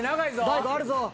大悟あるぞ。